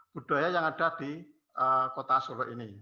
budaya yang ada di kota solo ini